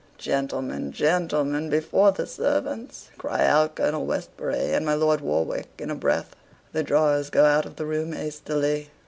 "Gentlemen, gentlemen! before the servants?" cry out Colonel Westbury and my Lord Warwick in a breath. The drawers go out of the room hastily.